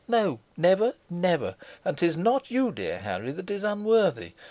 No, never, never, and 'tis not you, dear Harry, that is unworthy.